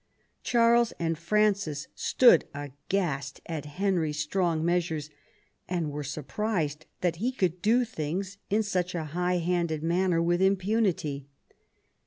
Charles and Francis stood aghast at Henry's strong measures, and were surprised that he could do things in such a high handed manner with impunity.